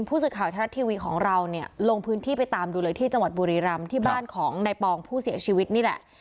ผู้สื่อข่าวไทยรัฐทีวีของเราเนี่ยลงพื้นที่ไปตามดูเลยที่จังหวัดบุรีรำที่บ้านของนายปองผู้เสียชีวิตนี่แหละ